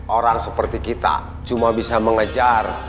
orang seperti kita cuma bisa mengejar